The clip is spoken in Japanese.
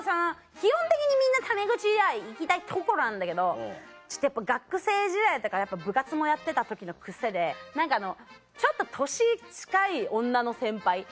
基本的にみんなタメ口では行きたいとこなんだけどちょっとやっぱ学生時代部活もやってた時の癖で何かあのちょっと年近い女の先輩。